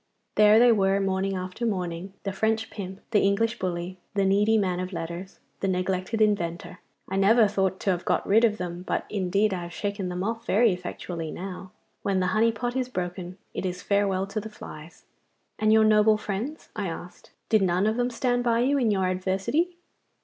There they were morning after morning, the French pimp, the English bully, the needy man o' letters, the neglected inventor I never thought to have got rid of them, but indeed I have shaken them off very effectually now. When the honey pot is broken it is farewell to the flies.' 'And your noble friends?' I asked. 'Did none of them stand by you in your adversity?